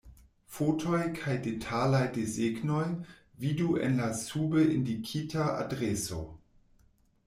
Fotoj kaj detalaj desegnoj vidu en la sube indikita adreso.